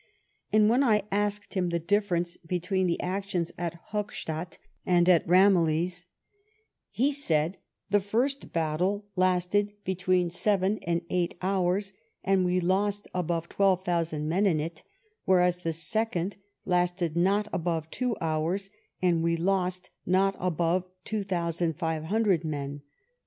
And when I asked him the difference be tween the actions at Hockstadt and at Ramillies; he said, the first battle lasted between seven and eight hours, and we lost above twelve thousand men in it; whereas the second lasted not above two hours, and we lost not above two thousand five hundred men.